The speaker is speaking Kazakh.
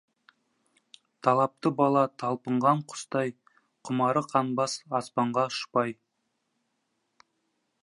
Талапты бала талпынған құстай, құмары қанбас, аспанға ұшпай.